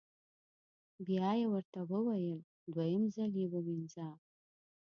بیا یې ورته وویل: دویم ځل یې ووینځه.